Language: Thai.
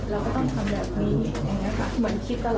เราก็ต้องทำแบบนี้อย่างเงี้ยค่ะเหมือนคิดตลอดแหละ